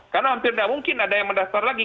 karena hampir tidak mungkin ada yang mendaftar lagi